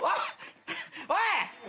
おい！